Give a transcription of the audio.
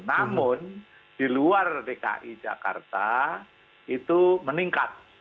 namun di luar dki jakarta itu meningkat